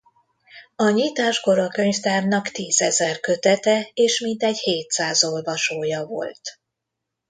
A nyitáskor a könyvtárnak tízezer kötete és mintegy hétszáz olvasója volt.